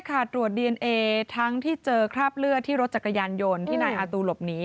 ตรวจดีเอนเอทั้งที่เจอคราบเลือดที่รถจักรยานยนต์ที่นายอาตูหลบหนี